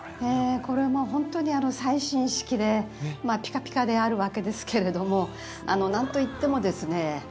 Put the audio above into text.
これも本当に最新式でピカピカであるわけですけれどもなんと言ってもですね